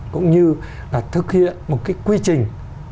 cũng như là thực hiện một cái quy trình